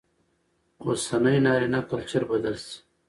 اوسنى نارينه کلچر بدل شي